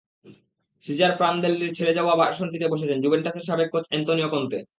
Caesar প্রানদেল্লির ছেড়ে যাওয়া আসনটিতে বসেছেন জুভেন্টাসের সাবেক কোচ অ্যান্তোনিও কোন্তে।